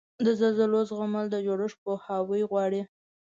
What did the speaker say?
د زلزلو زغمل د جوړښت پوهاوی غواړي.